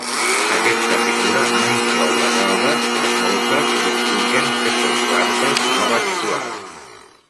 Aquesta figura no inclou les algues, les molses i els líquens, que són plantes no vasculars.